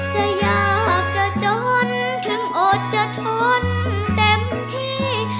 จะอยากจะจนถึงอดจะทนเต็มที่